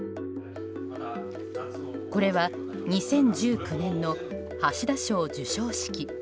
これは２０１９年の橋田賞授賞式。